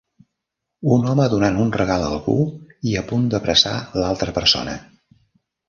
Un home donant un regal a algú i a punt d'abraçar l'altra persona.